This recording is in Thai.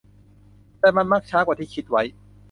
แต่มักช้ากว่าที่คิดไว้